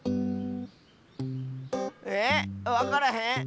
えっわからへん？